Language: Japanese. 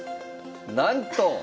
なんと！